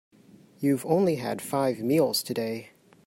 You've only had five meals today.